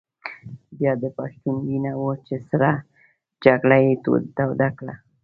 بیا د پښتون وینه وه چې سړه جګړه یې توده کړه.